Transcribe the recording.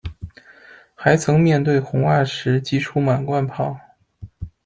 还曾面对红袜时击出满贯炮。